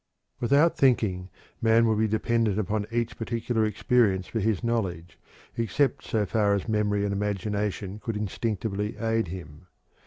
Without thinking, man would be dependent upon each particular experience for his knowledge, except so far as memory and imagination could instinctively aid him.